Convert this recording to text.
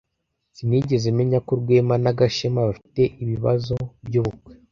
Sinigeze menya ko Rwema na Gashema bafite ibibazo byubukwe.